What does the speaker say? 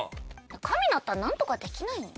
神だったら何とかできないの？